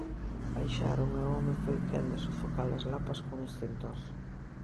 Baixaron e o home foi quen de sufocar as lapas cun extintor.